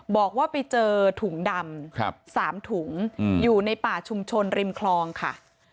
บอกว่าไปเจอถุงดำ๓ถุงอยู่ในป่าชุมชนริมคลองค่ะ